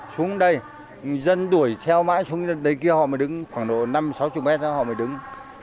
xuống đây dân đuổi theo mãi xuống đây kia họ mới đứng khoảng độ năm sáu mươi m đó họ mới đứng